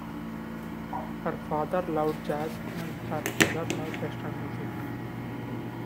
Her father loved jazz, and her mother loved Western music.